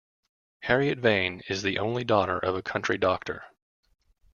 Harriet Vane is the only daughter of a country doctor.